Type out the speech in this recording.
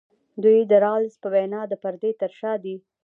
دوی د رالز په وینا د پردې تر شا دي.